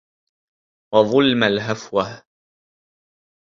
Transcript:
وَظُلْمَ الْهَفْوَةِ